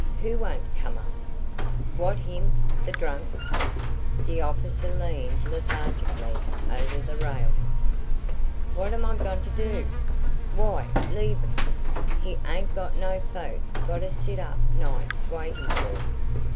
"Who ain't come up? What, him the drunk?" The officer leaned lethargically over the rail. "What'm I gonter do? Why, leave 'm. He ain't got no folks gonter sit up nights waitin' fer 'm.